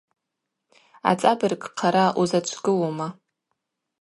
Ацӏабырг хъара узачвгылума?